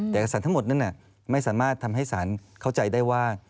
แต่เอกสารทั้งหมดนั้นไม่สามารถทำให้สารเข้าใจได้ว่า